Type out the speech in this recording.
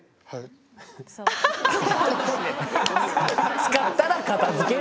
使ったら片づける。